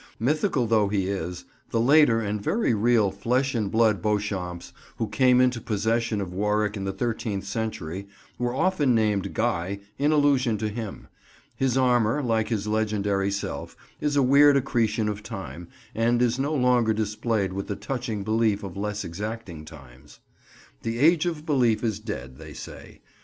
Mythical though he is, the later and very real flesh and blood Beauchamps, who came into possession of Warwick in the thirteenth century, were often named "Guy" in allusion to him. His armour, like his legendary self, is a weird accretion of time, and is no longer displayed with the touching belief of less exacting times. The Age of Belief is dead, they say.